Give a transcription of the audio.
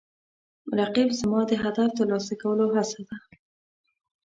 رقیب زما د هدف ترلاسه کولو هڅه ده